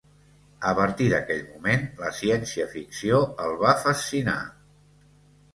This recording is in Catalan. A partir d'aquell moment, la ciència-ficció el va fascinar.